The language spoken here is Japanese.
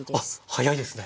早いですね。